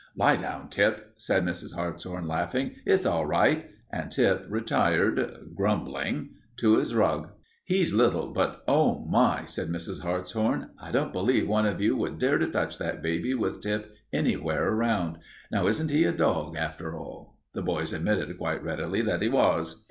"Lie down, Tip," said Mrs. Hartshorn, laughing. "It's all right." And Tip retired, grumbling, to his rug. [Illustration: Pomeranian] "He's little, but, oh, my!" said Mrs. Hartshorn. "I don't believe one of you would dare to touch that baby with Tip anywhere around. Now isn't he a dog, after all?" The boys admitted quite readily that he was.